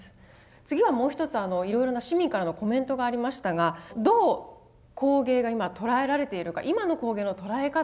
次はもう一ついろいろな市民からのコメントがありましたがどう工芸が今捉えられているか今の工芸の捉え方。